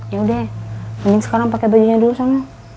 yaudah mending sekarang pake bajunya dulu sana